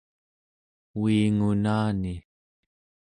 uingunani